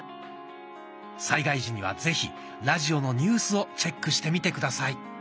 災害時にはぜひラジオのニュースをチェックしてみて下さい。